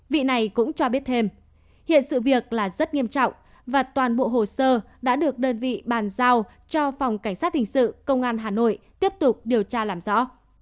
vị này cũng cho biết thêm hiện sự việc là rất nghiêm trọng và toàn bộ hồ sơ đã được đơn vị bàn giao cho phòng cảnh sát hình sự công an hà nội tiếp tục điều tra làm rõ